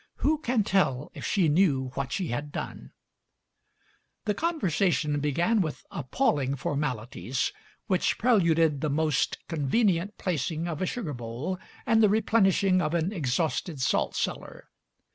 Who can tell if she knew what she had done? The conversation began with appalling formalities, which preluded the most convenient placing of a sugar bowl and the replenishing of an exhausted salt cellar.